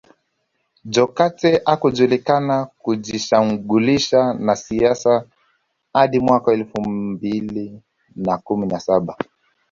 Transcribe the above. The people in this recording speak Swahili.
Jokate hakujulikana kujishughulisha na siasa hadi mwaka elfu mbili na kumi na saba